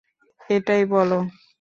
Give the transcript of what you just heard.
এটাই, বলো?